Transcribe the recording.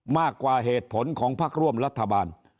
มากกว่าเหตุผลของพักร่วมรัฐบาล